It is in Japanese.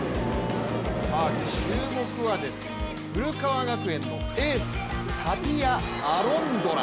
注目はですね、古川学園のエースタピア・アロンドラ。